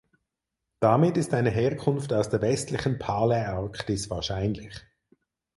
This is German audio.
Damit ist eine Herkunft aus der westlichen Paläarktis wahrscheinlich.